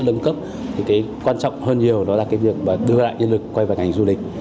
nâng cấp thì cái quan trọng hơn nhiều đó là cái việc mà đưa lại nhân lực quay vào ngành du lịch